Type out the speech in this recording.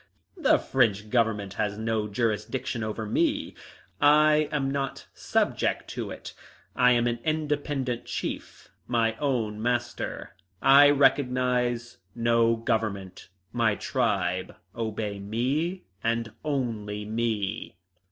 "The French Government has no jurisdiction over me. I am not subject to it. I am an independent chief, my own master. I recognise no government. My tribe obey me and only me."